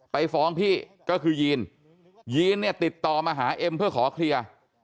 ไปฟ้องพี่ก็คือยีนยีนเนี่ยติดต่อมาหาเอ็มเพื่อขอเคลียร์